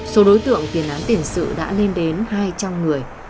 số đối tượng tiền án tiền sự đã lên đến hai trăm linh người